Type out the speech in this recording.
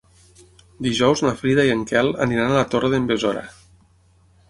Dijous na Frida i en Quel aniran a la Torre d'en Besora.